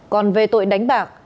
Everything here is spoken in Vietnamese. còn về tội đánh bạc